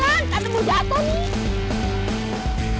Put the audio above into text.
jalan kan nemu jatoh nih